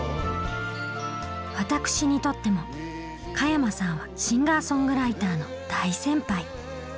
私にとっても加山さんはシンガーソングライターの大先輩。